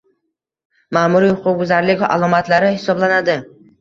ma’muriy huquqbuzarlik alomatlari hisoblanadi.